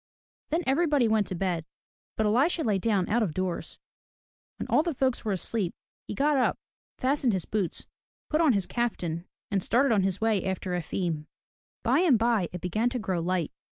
Then everybody went to bed. But Elisha lay down out of doors. When all the folks were asleep, he got up, fastened his boots, put on his kaftan, and started on his way after Efim. By and by it began to grow light.